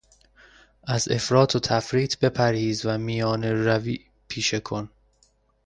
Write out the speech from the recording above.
از افراط و تفریط بپرهیز و میانه روی را پیشه کن.